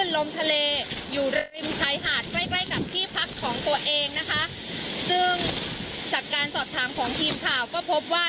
ลมทะเลอยู่ริมชายหาดใกล้ใกล้กับที่พักของตัวเองนะคะซึ่งจากการสอบถามของทีมข่าวก็พบว่า